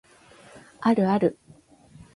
あるある